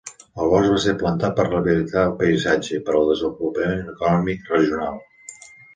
El bosc va ser plantat per rehabilitar el paisatge i per al desenvolupament econòmic regional.